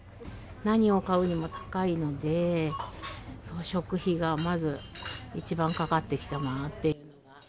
何を買うにも高いので、食費がまず一番かかってきたなって。